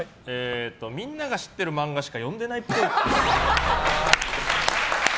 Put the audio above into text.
みんなが知ってる漫画しか読んでないっぽい。